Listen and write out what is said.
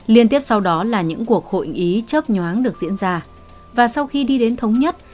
liên tiếp sau đó là những cuộc hội ý chấp nhoáng được diễn ra và sau khi đi đến thống nhất